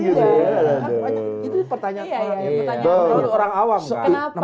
itu pertanyaan orang awam